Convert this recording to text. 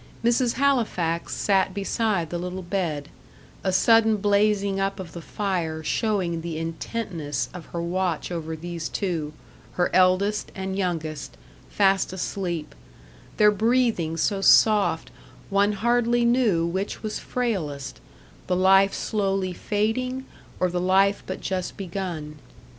Mrs. Halifax sat beside the little bed, a sudden blazing up of the fire showing the intentness of her watch over these two, her eldest and youngest, fast asleep; their breathing so soft, one hardly knew which was frailest, the life slowly fading or the life but just begun.